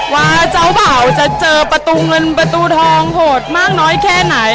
ว่าเจ้าบ่าวจะเจอประตูเงินประตูทองโหดมากน้อยแค่ไหน